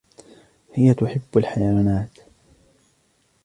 هي تحب الحيوانات.